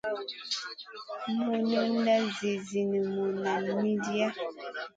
Mununda vih zinimu nam midia.